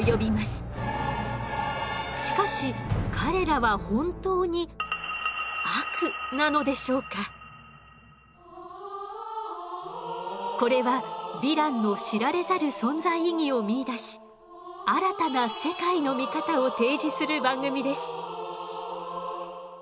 しかし彼らはこれはヴィランの知られざる存在意義を見いだし新たな世界の見方を提示する番組です。